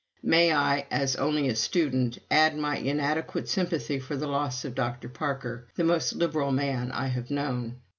"May I, as only a student, add my inadequate sympathy for the loss of Dr. Parker the most liberal man I have known.